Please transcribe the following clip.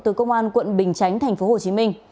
từ công an quận bình chánh tp hcm